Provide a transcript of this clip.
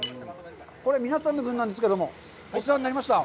これ皆さんの分なんですけども、お世話になりました。